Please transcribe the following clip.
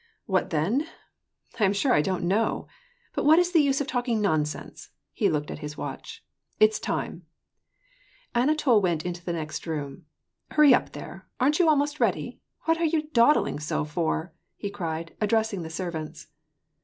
" What then ? vol,. 2. 24, 870 WAR AND PEACE. I am sure I don't know. But what is the use of talking non sense." He looked at his watch. " It's time." Anatol went into the next room. "Hurry up, there! Aren't you almost ready ? What are you dawdung so for ?" he cried, addressing the servants.